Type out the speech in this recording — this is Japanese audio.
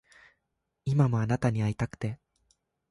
今もあなたに逢いたくて